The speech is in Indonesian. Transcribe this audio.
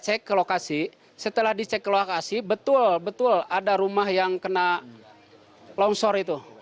cek ke lokasi setelah dicek ke lokasi betul betul ada rumah yang kena longsor itu